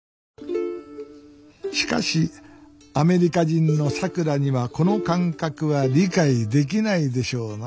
しかしアメリカ人のさくらにはこの感覚は理解できないでしょうな